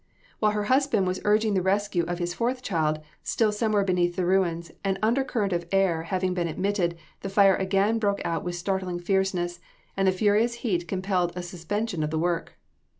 While her husband was urging the rescue of his fourth child, still somewhere beneath the ruins, an under current of air having been admitted, the fire again broke out with startling fierceness, and the furious heat compelled a suspension of the work.